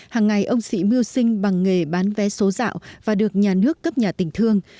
hàng ngày ông sị mưu sinh bằng nghề bán vé số dạo và được nhà nước cấp nhà tình thương